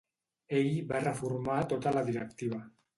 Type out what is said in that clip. Ell va reformar tota la directiva.